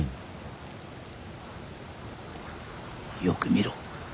よく見ろ。